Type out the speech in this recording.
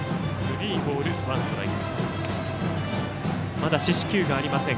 まだ四死球がありません。